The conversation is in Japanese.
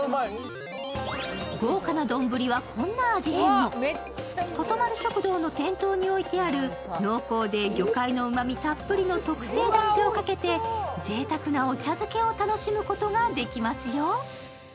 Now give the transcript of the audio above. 豪華な丼は、こんな味変も。とと丸食堂の店頭に置いてある濃厚で魚介のうまみたっぷりの特製だしをかけて、ぜいたくなお茶漬けを楽しむことができちゃいますよ。